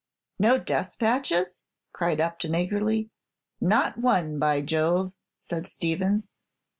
"No despatches?" cried Upton, eagerly. "Not one, by Jove!" said Stevins.